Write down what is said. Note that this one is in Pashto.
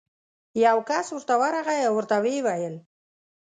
یو کس ورته ورغی او ورته ویې ویل: